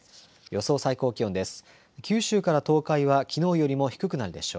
予想最高気温です。